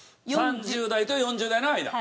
３０代と４０代の間。